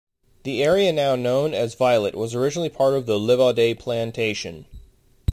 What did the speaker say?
The area now known as Violet was originally part of the Livaudais Plantation.